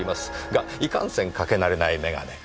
がいかんせんかけ慣れない眼鏡。